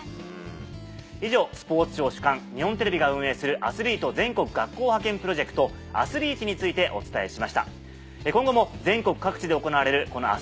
以上スポーツ庁主管日本テレビが運営するアスリート全国学校派遣プロジェクトアスリーチについてお伝えしました。